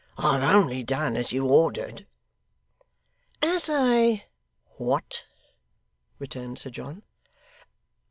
'I have only done as you ordered.' 'As I WHAT?' returned Sir John.